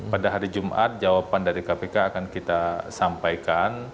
pada hari jumat jawaban dari kpk akan kita sampaikan